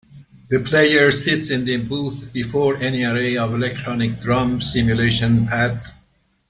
The player sits in a booth before an array of electronic drum simulation pads.